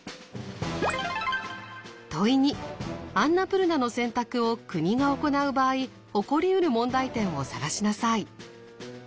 問２アンナプルナの選択を国が行う場合起こりうる問題点を探しなさい。